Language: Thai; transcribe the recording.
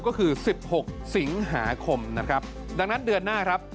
ก็คือ๑๖สิงหาคมดังนั้นเดือนหน้า